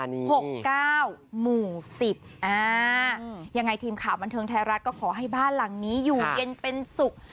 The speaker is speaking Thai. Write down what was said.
อะยังไงทีมข่าวบรรเทิงแทยฬัดค์ก็ขอให้บ้านหลังนี้อยู่เย็นเป็นสุข